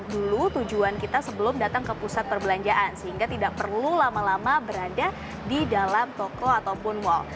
dulu tujuan kita sebelum datang ke pusat perbelanjaan sehingga tidak perlu lama lama berada di dalam toko ataupun mal